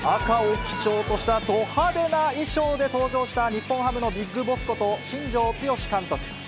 赤を基調としたど派手な衣装で登場した、日本ハムのビッグボスこと、新庄剛志監督。